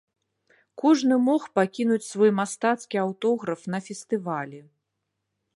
Кожны мог пакінуць свой мастацкі аўтограф на фестывалі.